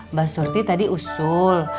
mba surti tadi usul